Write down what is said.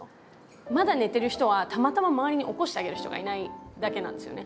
まだ寝てる人はたまたま周りに起こしてあげる人がいないだけなんですよね。